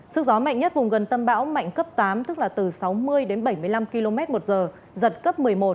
sức gió mạnh nhất vùng gần tâm bão mạnh cấp tám tức là từ sáu mươi đến bảy mươi năm km một giờ giật cấp một mươi một